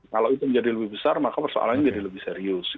kalau itu menjadi lebih besar maka persoalannya jadi lebih serius